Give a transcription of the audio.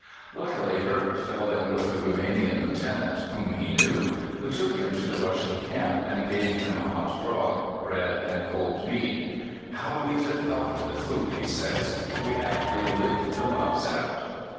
Luckily Herbert fell in with a Roumanian Lieutenant whom he knew, who took him to the Russian camp, and gave him hot grog, bread, and cold meat. "How we devoured the food!" he says. "We actually licked the mugs out."